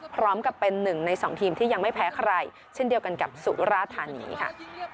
พร้อมกับเป็นหนึ่งในสองทีมที่ยังไม่แพ้ใครเช่นเดียวกันกับสุราธานีค่ะ